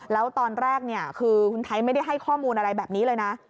แล้วตอนแรกคือคุณไทยไม่ได้ให้ข้อมูลอะไรแบบนี้เลยนะ